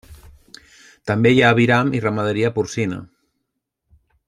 També hi ha aviram i ramaderia porcina.